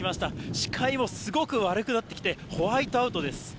視界もすごく悪くなってきて、ホワイトアウトです。